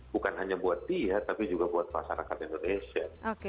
bukan hanya buat dia tapi juga buat masyarakat indonesia